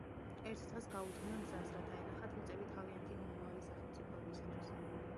ერთ დღეს გაუდგნენ გზას, რათა ენახათ მიწები თავიანთი მომავალი სახელმწიფოებისათვის.